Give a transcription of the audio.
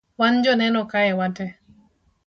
wan joneno kae wate